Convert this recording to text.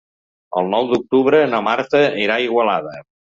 El nou d'octubre na Marta irà a Igualada.